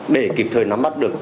để kịp thời nắm bắt được